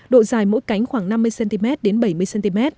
độ dài mỗi cánh khoảng năm mươi cm đến bảy mươi cm